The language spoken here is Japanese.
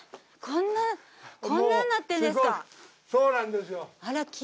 こんなこんなになってるんですかそうなんですよあら